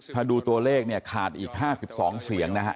ถ้าดูตัวเลขเนี่ยขาดอีก๕๒เสียงนะฮะ